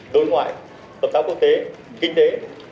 đối ngoại hợp tác quốc tế kinh tế